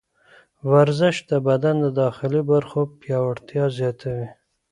ورزش د بدن د داخلي برخو پیاوړتیا زیاتوي.